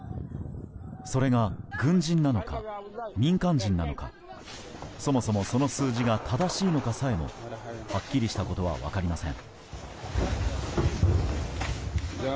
それが軍人なのか民間人なのかそもそも、その数字が正しいのかさえもはっきりしたことは分かりません。